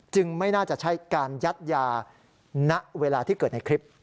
ไม่น่าจะใช้การยัดยาณเวลาที่เกิดในคลิป